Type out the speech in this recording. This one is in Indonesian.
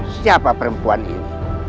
siapa perempuan ini